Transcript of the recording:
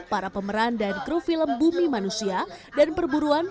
para pemeran dan kru film bumi manusia dan perburuan